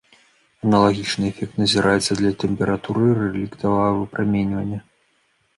Аналагічны эфект назіраецца для тэмпературы рэліктавага выпраменьвання.